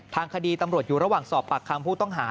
ทางคดีตำรวจอยู่ระหว่างสอบปากคำผู้ต้องหา